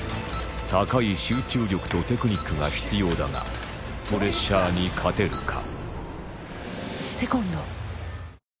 高い集中力とテクニックが必要だがプレッシャーに勝てるか？